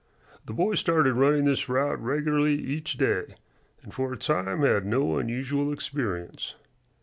The boy started running this route regularly each day, and for a time had no unusual experience.